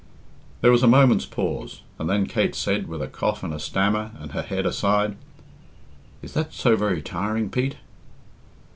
There was a moment's pause, and then Kate said, with a cough and a stammer and her head aside, "Is that so very tiring, Pete?"